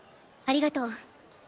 ありがとう。